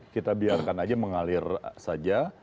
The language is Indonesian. kita biarkan aja mengalir saja